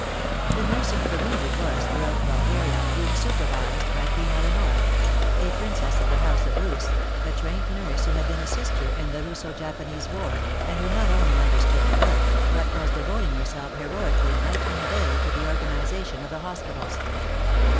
The nursing of the wounded was, throughout Bulgaria, being supervised by Queen Eleonora — a Princess of the House of Reuss, a trained nurse who had been a sister in the Russo Japanese War, and who not only understood the work, but was devoting herself heroically night and day to the organization of the hospitals.